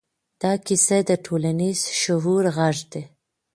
دا کیسه د ټولنیز شعور غږ دی.